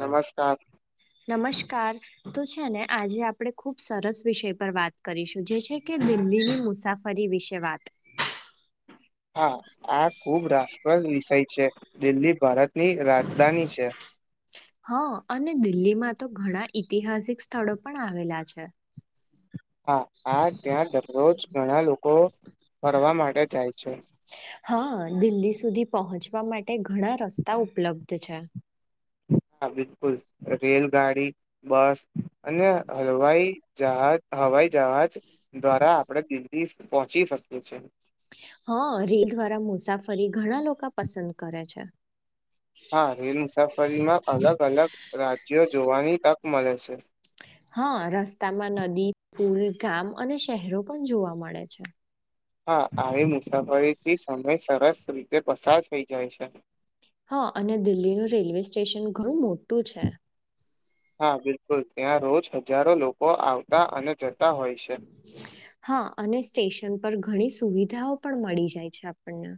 નમસ્કાર નમસ્કાર તો છે ને આજે આપણે ખુબ સરસ વિષય પર વાત કરીશું જે છે કે [unintelligible] લીની મુસાફરી વિશે વાત. હા આ ખુબ રાષ્ટ્રય વિષય છે દિલ્હી ભારતની રાજધાની છે. હ અને દિલ્હીમાં તો ઘણા ઐતિહાસિક સ્થળો પણ આવેલા છે. હા આ ત્યાં દરરોજ ઘણા લોકો ફરવા માટે જાય છે. હા દિલ્હી સુધી પહોંચવા માટે ઘણા રસ્તા ઉપલબ્ધ છે. હા બિલકુલ રેલગાડી બસ અને હલવાઈ જહાજ હવા હવાઈ જહાજ દ્વારા આપડે દિલ્હી પહોંચી શકીએ છીએ. હા રીલ દ્વારા મુસાફરી ઘણા લોકો પસંદ કરે છે. હા રેલ મુસાફરીમાં અલગ અલગ રાજ્યો જોવાની તક મળે છે. હા રસ્તામાં નદી પુલ ગામ અને શહેરો પણ જોવા મળે છે. હા આવી મુસાફરીથી સમય સરસ રીતે પસાર થઈ જાય છે. હા અને દિલ્હીનું રેલવે સ્ટેશન ઘણું મોટું છે. હા બિલકુલ ત્યાં રોજ હજારો લોકો આવતા અને જતા હોય છે. હા અને સ્ટેશન પર ઘણી સુવિધાઓ પણ મળી જાય છે આપણને.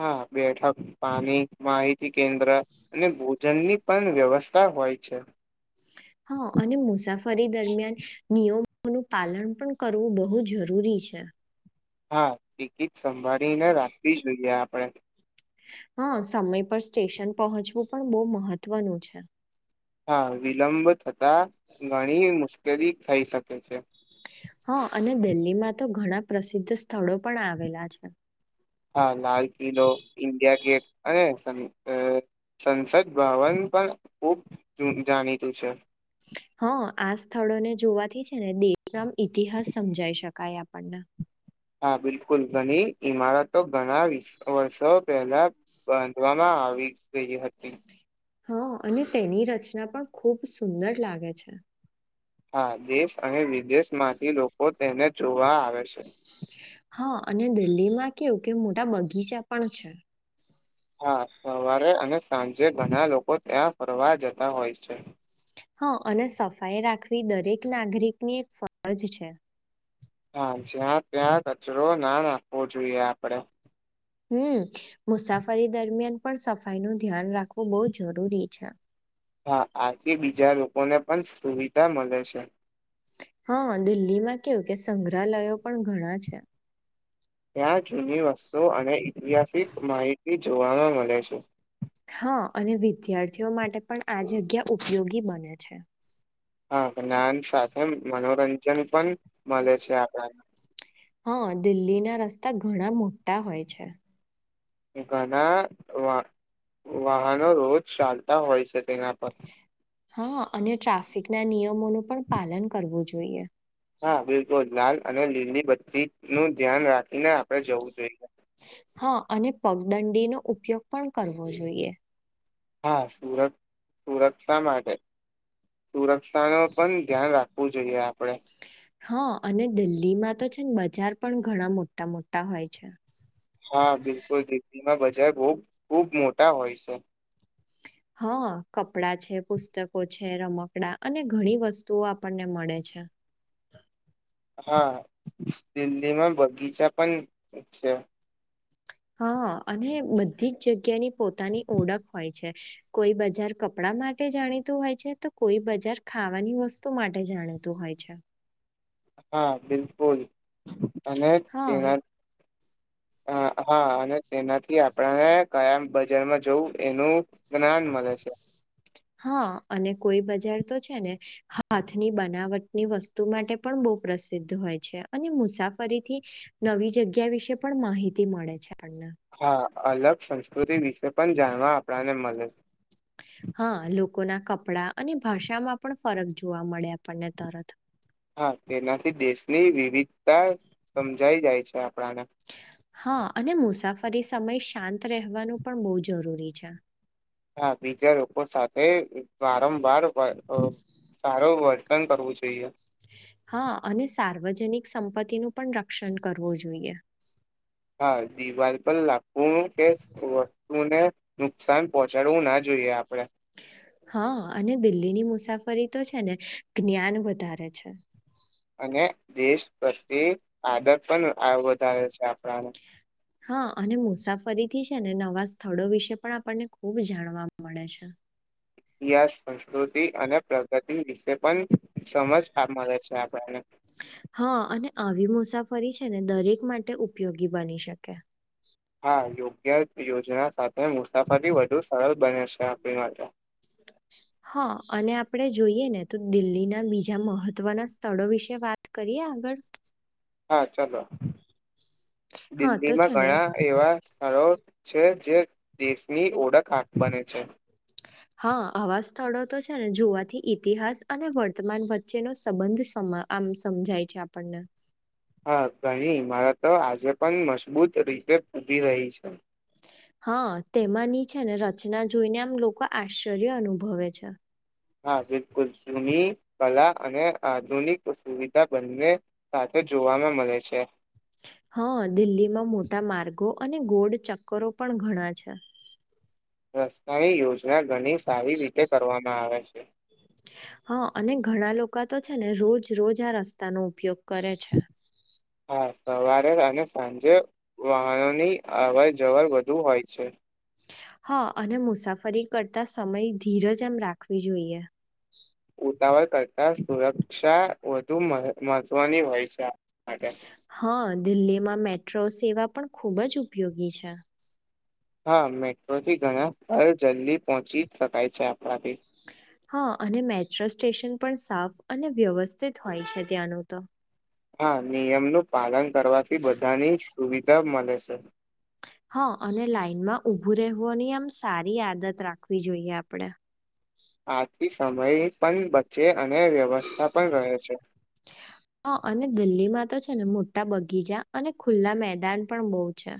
હા બેઠક પાણી માહિતી કેન્દ્ર અને ભોજન ની પણ વ્યવસ્થા હોય છે. હા નું પાલન પણ કરવું બહુ જરૂરી છે. હા ટિકિટ સંભાળીને રાખવી જોઈએ આપણે હા સમય પર સ્ટેશન પહોંચવું પણ બો મહત્વનું છે. હા વિલંબ થતા ઘણી મુશ્કેલી થઈ શકે છે. હા અને દિલ્હીમાં તો ઘણા પ્રસિદ્ધ સ્થળો પણ આવેલા છે. હા લાલ કિલ્લો ઇન્ડિયા ગેટ અને સંસદ સંસદ ભવન પણ ખુબ જૂ જાણીતું છે. હા આ સ્થળોને જોવાથી છે ને દેશનો ઇતિહાસ સમજાઈ શકાય આપણને. હા બિલકુલ ઘણી ઈમારતો ઘણા વી વર્ષો પહેલા બાંધવામાં આવી ગઈ હતી. હ અને તેની રચના પણ ખૂબ સુંદર લાગે છે. હા દેશ અને વિદેશ માંથી લોકો તેને જોવા આવે છે. હા અને દિલ્હીમાં કેવું કે મોટા બગીચા પણ છે. હા સવારે અને સાંજે ઘણા લોકો ત્યાં ફરવા જતા હોય છે. હા અને સફાઈ રાખવી દરેક નાગરિકની એક ફરજ છે. હા જ્યાં ત્યાં કચરો ના નાખવો જોઈએ આપડે. હમ્મ મુસાફરી દરમિયાન પણ સફાઈ નું ધ્યાન રાખવું બહુ જરૂરી છે. હા આથી બીજા લોકોને પણ સુવિધા મળે છે. હા દિલ્હીમાં કેવું કે સંગ્રહાલયો પણ ઘણા છે. ત્યાં જૂની વસ્તુ અને ઐતિહાસિક માહિતી જોવાવામાં મળે છે. હા અને વિદ્યાર્થીઓ માટે પણ આ જગ્યા ઉપયોગી બને છે. હા જ્ઞાન સાથે મનોરંજન પણ મળે છે આપણા હા દિલ્હી ના તા ઘણા મોટા હોય છે. ઘણા વા વાહનો રોજ ચાલતા હોય છે. તેના પર હા અને ટ્રાફિક ના નિયમોનું પણ પાલન કરવું જોઈએ. હા બિલકુલ. લાલ અને લીલી બત્તી નું ધ્યાન રાખ અને આપડે જવું જોઈએ. હા અને પગદંડીનો ઉપયોગ પણ કરવો જોઈએ. હા સુરત સુરક્ષા માટે સુરક્ષા નું પણ ધ્યાન રાખવું જોઈએ આપણે. હા અને દિલ્હીમાં તો છે બજાર પણ ઘણા મોટા-મોટા હોય છે. હા બિલકુલ. દિલ્હીમાં બજાર બહું ખુબ મોટા હોય છે. હા કપડા છે, પુસ્તકો છે, રમકડા અને ઘણી વસ્તુઓ આપણને મળે છે. ચ્છા હા દિલ્હીમાં બગીચા પણ છે. હા અને બધી જ જગ્યાની પોતાની ઓળખ હોય છે કોઈ બજાર કપડા માટે જાણીતું હોય છે, તો કોઈ બજાર ખાવાની વસ્તુ માટે જાણીતું હોય છે. [inaudible] હા બિલકુલ. અને હા તેના હા, હા અને તેનાથી આપણાને કયા બજારમાં જવું એનું જ્ઞાન મળે છે. હા અને કોઈ બજાર તો છે ને હાથની બનાવટની વસ્તુ માટે પણ બહુ પ્ર પ્રસિદ્ધ હોય છે, અને મુસાફરીથી નવી જગ્યા વિશે પણ માહિતી મળે છે. [inaudible] હા અલગ સંસ્કૃતિ વિશે પણ જાણવા આપણાને મલે. લોકો ના કપડા અને ભાષામાં પણ ફરક જોવા મળ્યા. હા તેનાથી દેશની વિવિધતા સમજાઈ જાય છે. આપણાને હા અને મુસાફરી સમય શાંત રહેવાનું પણ બહુ જરૂરી છે. હા બીજા લોકો સાથે વારંવાર વ અહ સારું વર્તન કરવું જોઈએ. હા અને સાર્વજનિક સંપત્તિનું પણ રક્ષણ કરવું જોઈએ. હા દિવાલ પર લાકડું કે વસ્તુને નુકસાન પહોંચાડવું ના જોઈએ આપડે. [inaudible] હા, અને દિલ્હીની મુસાફરી તો છે ને જ્ઞાન વધારે છે. અને દેશ પ્રત્યે આદર પણ આહ વધારે છે આપણાનું. હા અને મુસાફરી થી છે ને નવા સ્થળો વિશે પણ આપણને ખુબ જાણવા મળે છે. [inaudible] ઇતિહાસ, સંસ્કૃતિ અને પ્રગતિ વિશે પણ સમજ આપ મલે છે આપણને. હા અને આવી મુસાફરી છે ને દરેક માટે ઉપયોગી બની શકે. હા યોગ્ય યોજના સાથે મુસાફરી વધુ સરળ બને છે આપણી માટે. [inaudible] હા અને આપડે જોઈએ ને તો દિલ્હીના બીજા મહત્વના સ્થળો વિશે વાત કરીએ આ આગળ? હા ચલો. હા તો દિલ્હીમાં છે ને ઘણા એવા સ્થતો છે જે દેશની ઓળખાણ બને છે. હા આવા સ્થળો તો છે ને જોવાથી ઈતિહાસ અને વર્તમાન વચ્ચેનો સંબંધ સ મા આમ સમજાય છે આપણને. હા ઘની મારા તો આજે પણ મજબૂત રીતે ઉભી રહી છે. હા તેમાંની છે ને રચના જોઈને આમ લોકો આશ્ચર્ય અનુભવે છે. હા બિલકુલ. જૂની કલા અને આધુનિક સુવિધા બંને સાથે જોવામાં મલે છે. હા દિલ્હીમાં મોટા માર્ગો અને ગોળ ચક્કરો પણ ઘણા છે. રસ્તાની યોજના ઘણી સારી રીતે કરવામાં આવે છે. હા અને ઘણા લોકા તો છે ને રોજ રોજ આ રસ્તાનો ઉપયોગ કરે છે. હા સવારે અને સાંજે વાહનોની અવર જવર વધુ હોય છે. હા અને મુસાફરી કરતા સમય ધીરજ એમ રાખવી જોઈએ. ઉતાવળ કરતા સુરક્ષા વધુ મહ મહત્વની હોય છે. માટે હા દિલ્હીમાં મેટ્રો સેવા પણ ખૂબ જ ઉપયોગી છે. હા મેટ્રોથી ઘણા [unintelligible] જલ્દી પહોંચી શકાય છે આપણાથી. હા અને મેટ્રો સ્ટેશન પણ સાફ અને વ્યવસ્થિત હોય છે ત્યાંનું તો. હા નિયમનું પાલન કરવાથી બધાની સુવિધા મળે છે. હા અને લાઈનમાં ઊભું રહેવુંની આમ સારી આદત રાખવી જોઈએ આપડે. આથી સમય પણ બચે અને વ્યવસ્થા પણ રહે છે. હા અને દિલ્હીમાં તો છે ને મોટા બગીચા અને ખુલ્લા મેદાન પણ બહુ છે.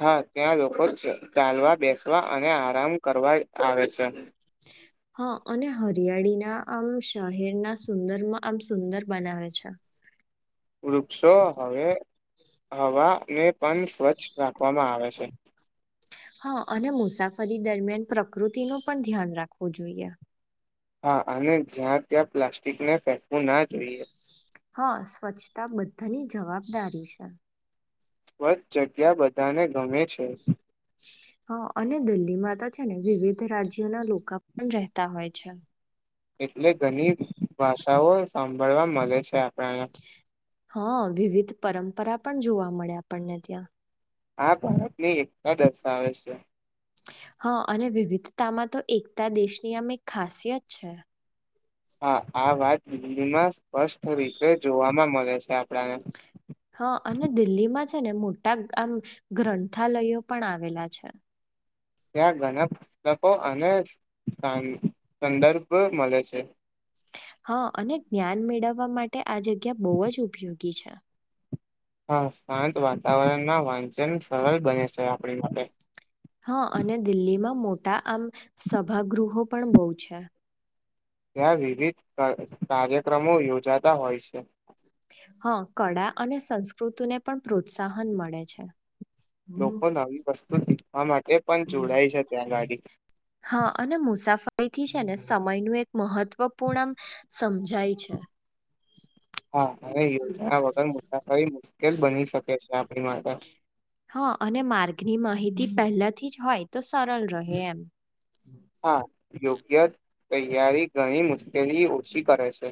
હા ત્યાં લોકો ચ ચાલવા બેસવા અને આરામ કરવા આવે છે. હા અને હરિયાળી ના આમ શહેરના સુંદરમાં આમ સુંદર બનાવે છે. [inaudible] વૃક્ષો હવે હવાને પણ સ્વચ્છ રાખવામાં આવે છે. હા અને મુસાફરી દરમિયાન પ્રકૃતિ નો પણ ધ્યાન રાખવું જોઈએ. હા અને જ્યાં ત્યાં પ્લાસ્ટિકને ફેંસવું ના જોઈએ. હા સ્વચ્છતા બધાની જવાબદારી છે. સ્વચ્છ જગ્યા બધાને ગમે છે. હ અને દિલ્હીમાં તો છે ને વિવિધ રાજ્યોના લોકા પણ રહેતા હોય છે. એટલે ઘણી ભાષાઓ સાંભળવા મળે છે આપ હા વિવિધ પરંપરા પણ જોવા મળે આપણને ત્યાં. આ ભારતની એકતા દર્શાવે છે. હા અને વિવિધતામાં તો એકતા દેશની આમ એક ખાસિયત છે. હા આ વાત દિલ્હીમાં સ્પષ્ટ રીતે જોવાવામાં મળે છે આપણા ને. હા અને દિલ્હીમાં છે ને મોટા આમ ગ્રંથાલયો પણ આવેલા છે. ત્યાં ઘણા પુસ્તકો અને સં સંદર્ભ મળે છે. હા અને જ્ઞાન મેળવવા માટે આ જગ્યા બહુ જ ઉપયોગી છે. હા શાંત વાતાવરણમાં વાંચન સરળ બને છે આપણી માટે. હા અને દિલ્હીમાં મોટા આમ સભાગૃહો પણ બો છે. ત્યાં વિવિધ કા કાર્યક્રમો યોજાતા હોય છે. હા કળા અને સંસ્કૃતિને પણ પ્રોત્સાહન મળે છે. લોકો ન આવી વસ્તુથી હા અને મુસાફરી થી છે ને સમય નું એક મહત્વપૂર્ણ સમજાય છે. હા અને યોજના વગર મુસાફરી મુશ્કેલ બની શકે છે આપણી માટે. પહેલા થી જ હોય તો સરળ રહે એમ. હા યોગ્ય તૈયારી ઘણી મુશ્કેલી ઓછી કરે છે.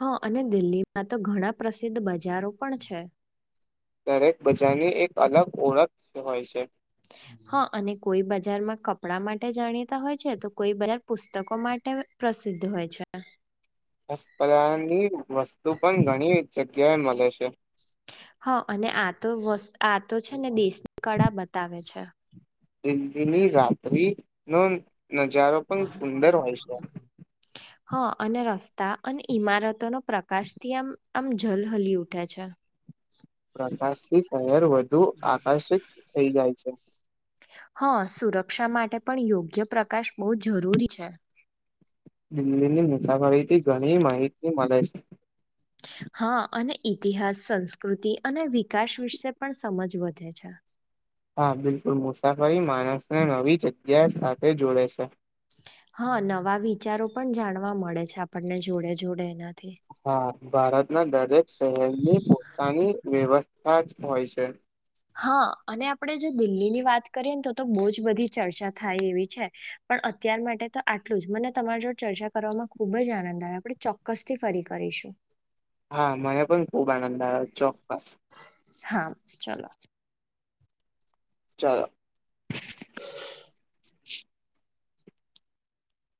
હા અને દિલ્હીમાં તો ઘણા પ્રસિદ્ધ બજારો પણ છે. દરેક બજારની એક અલગ ઓળખ હોય છે. હા અને કોઈ બજારમાં કપડા માટે જાણીતા હોય છે તો કોઈ બજાર પુસ્તકો માટે પ્ર પ્રસિદ્ધ હોય છે. હસ્પદાર ની ના વસ્તુ પણ ઘણી જગ્યાએ મળે છે. હા અને આ તો વસ આ તો છે ને દેશની કળા બતાવે છે. [unintelligible] ની રાતિ નો નજારો પણ સુંદર હોય છે. હ અને રસ્તા અને ઈમારતોનો પ્રકાશથી આમ આમ જલહલી ઉઠે છે. પ્રકાશથી શહેર વધુ આકર્ષિત થઈ જાય છે. હ, સુરક્ષા માટે પણ યોગ્ય પ્રકાશ બહુ જરૂરી છે. દિલ્હીની મુસાફરીથી ઘણી માહિતી મલે છે. હા અને ઇતિહાસ, સંસ્કૃતિ અને વિકાસ વિશે પણ સમજ વધે છે. હા, બિલકુલ મુસાફરી માણસને નવી જગ્યા સાથે જોડે છે. હા, નવા વિચારો પણ જાણવા મળે છે આપણને જોડે જોડે એના હા, ભારતના દરેક શહેરની પોતાની વ્યવ થાજ હોય છે. હા, અને આપણે જે દિલ્હીની વાત કરીએ ને તોતો બહુ જ બધી ચર્ચા થાય એવી છે પણ અત્યાર માટે તો આટલું જ મને તમારા જોડ ચર્ચા કરવામાં ખૂબ જ આનંદ આવે આપણે ચોક્કસથી ફરી કરીશું. [inaudible] હા, મને પણ ખુબ આનંદ આવ્યો ચોક્કસ. હા, ચલો. ચાલો.